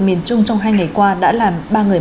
miền trung trong hai ngày qua đã làm ba người